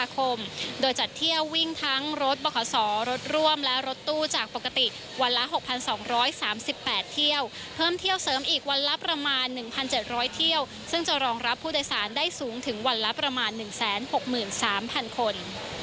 จัดเที่ยววิ่งทั้งรถบขรถร่วมและรถตู้จากปกติวันละ๖๒๓๘เที่ยวเพิ่มเที่ยวเสริมอีกวันละประมาณ๑๗๐๐เที่ยวซึ่งจะรองรับผู้โดยสารได้สูงถึงวันละประมาณ๑๖๓๐๐คน